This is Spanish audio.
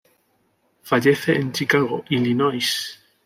Fallece en Chicago, Illinois.